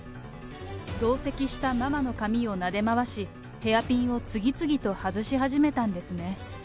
同席したママの髪をなで回し、ヘアピンを次々と外し始めたんですね。